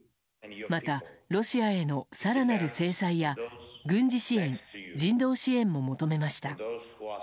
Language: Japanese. また、ロシアへの更なる制裁や軍事支援人道支援も求めました。